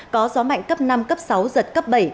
có gió mạnh cấp năm cấp sáu giật cấp bảy